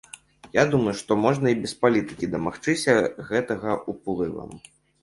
Я думаю, што можна і без палітыкі дамагчыся гэтага уплывам.